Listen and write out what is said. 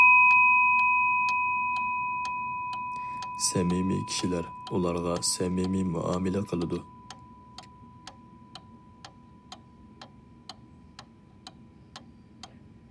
سەمىمىي كىشىلەر ئۇلارغا سەمىمىي مۇئامىلە قىلىدۇ.